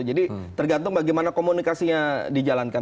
jadi tergantung bagaimana komunikasinya dijalankan